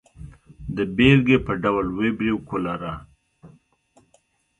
د بېلګې په ډول وبریو کولرا.